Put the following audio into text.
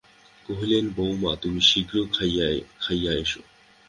কহিলেন, বউমা, তুমি শীঘ্র খাইয়া এসো।